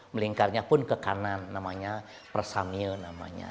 melingkarnya pun ke kanan namanya persamye